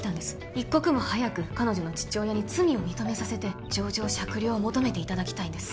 一刻も早く彼女の父親に罪を認めさせて情状酌量を求めていただきたいんです